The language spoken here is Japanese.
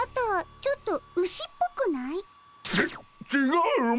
ちちがうモ。